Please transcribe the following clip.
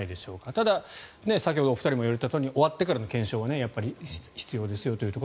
ただ先ほど２人も言われたとおり終わったあとの検証も必要ですよと。